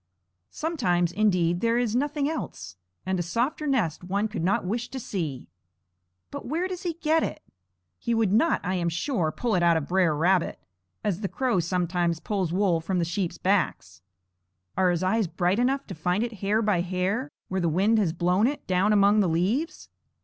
Sometimes, indeed, there is nothing else, and a softer nest one could not wish to see. But where does he get it? He would not, I am sure, pull it out of Br'er Rabbit, as the crow sometimes pulls wool from the sheep's backs. Are his eyes bright enough to find it hair by hair where the wind has blown it, down among the leaves?